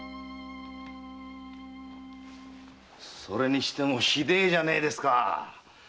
それにしてもひでえじゃねえですか！